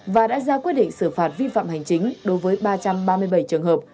và đã ra quyết định xử phạt vi phạm hành chính đối với ba trăm ba mươi bảy trường hợp